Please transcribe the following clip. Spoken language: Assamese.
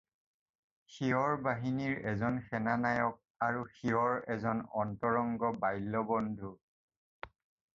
শিৱৰ বাহিনীৰ এজন সেনানায়ক আৰু শিৱৰ এজন অন্তৰংগ বাল্যবন্ধু।